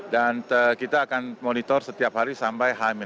dan kita akan monitor setiap hari sampai h satu